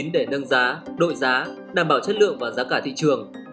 để nâng giá đội giá đảm bảo chất lượng và giá cả thị trường